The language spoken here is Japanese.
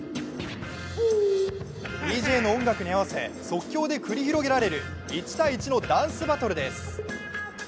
ＤＪの音楽に合わせ即興で繰り広げられる１対１のダンスバトルです。